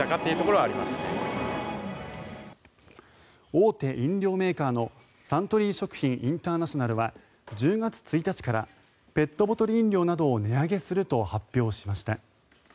大手飲料メーカーのサントリー食品インターナショナルは１０月１日からペットボトル飲料などを値上げすると発表しました。